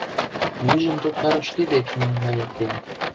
Мӱйжым Токтар шке декше наҥгайыктен...